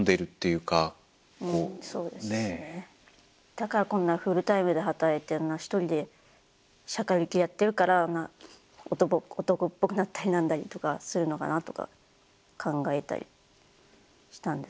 だからこんなフルタイムで働いてるのは一人でシャカリキでやってるから男っぽくなったりなんだりとかするのかなとか考えたりしたんですけどね。